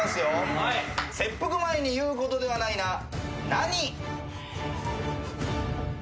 「切腹前に言うことではないな。何？」